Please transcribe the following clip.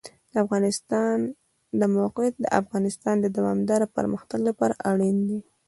د افغانستان د موقعیت د افغانستان د دوامداره پرمختګ لپاره اړین دي.